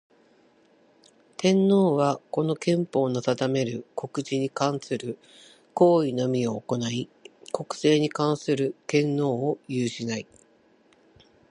天皇は、この憲法の定める国事に関する行為のみを行ひ、国政に関する権能を有しない。